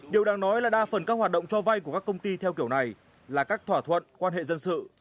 điều đáng nói là đa phần các hoạt động cho vay của các công ty theo kiểu này là các thỏa thuận quan hệ dân sự